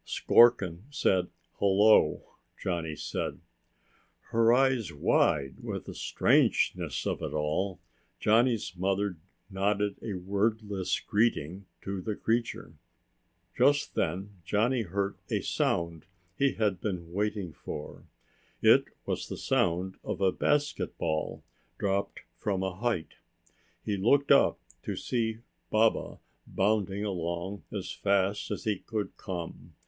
"Skorkin said 'hello,'" Johnny said. Her eyes wide with the strangeness of it all, Johnny's mother nodded a wordless greeting to the creature. Just then Johnny heard a sound he had been waiting for. It was the sound of a basketball dropped from a height. He looked up to see Baba bounding along as fast as he could come.